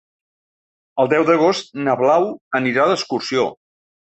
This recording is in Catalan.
El deu d'agost na Blau anirà d'excursió.